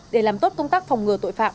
để làm tốt công tác phòng ngừa tội phạm